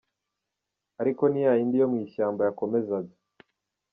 Ariko ni yayindi yo mw’ishyamba yakomezaga.